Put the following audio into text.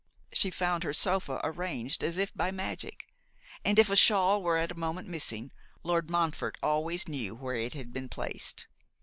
She found her sofa arranged as if by magic. And if a shawl were for a moment missing, Lord Montfort always knew where it had been placed.